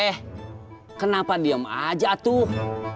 be kenapa diam aja tuh